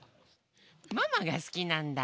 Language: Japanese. ママが好きなんだ。